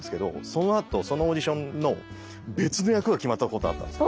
そのあとそのオーディションの別の役が決まったことがあったんです。